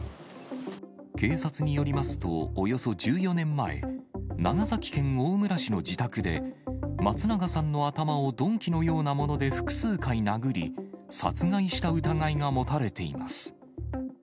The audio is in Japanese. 警察によりますと、およそ１４年前、長崎県大村市の自宅で、松永さんの頭を鈍器のようなもので複数回殴り、殺害した疑いが持たれています。